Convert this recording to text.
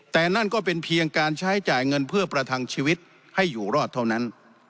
แต่นั่นก็เป็นเพียงการใช้จ่ายเงินเพื่อประทังชีวิตให้อยู่รอดเท่านั้น